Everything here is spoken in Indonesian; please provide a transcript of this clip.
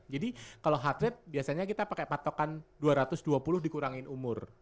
jadi kalo heart rate biasanya kita pake patokan dua ratus dua puluh dikurangin umur